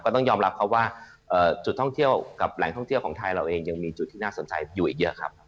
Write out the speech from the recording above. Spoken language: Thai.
ต้องยอมรับครับว่าจุดท่องเที่ยวกับแหล่งท่องเที่ยวของไทยเราเองยังมีจุดที่น่าสนใจอยู่อีกเยอะครับ